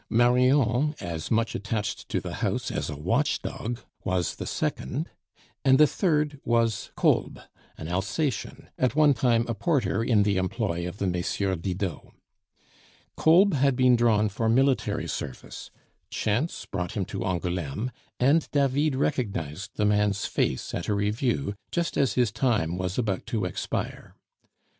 Marion, as much attached to the house as a watch dog, was the second; and the third was Kolb, an Alsacien, at one time a porter in the employ of the Messrs. Didot. Kolb had been drawn for military service, chance brought him to Angouleme, and David recognized the man's face at a review just as his time was about to expire.